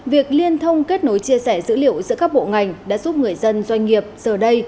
việc liên thông kết nối chia sẻ dữ liệu giữa các bộ ngành đã giúp người dân doanh nghiệp giờ đây